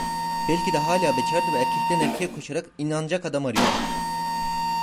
Belki de hâlâ bekârdı ve erkekten erkeğe koşarak, "inanacak adam" arıyordu.